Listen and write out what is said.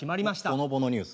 ほのぼのニュース。